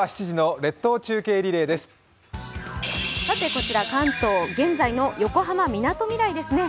こちら関東、現在の横浜・みなとみらいですね。